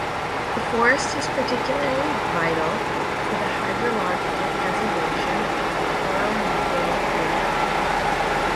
The forest is particularly vital for the hydrological preservation of the Toro Negro River.